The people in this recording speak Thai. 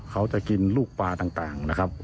เขาจะกินลูกปลาต่างนะครับ